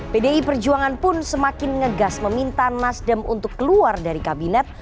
pdi perjuangan pun semakin ngegas meminta nasdem untuk keluar dari kabinet